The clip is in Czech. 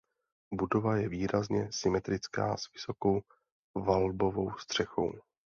Budova je výrazně symetrická s vysokou valbovou střechou.